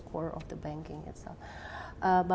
karena orang adalah utama dari pembankan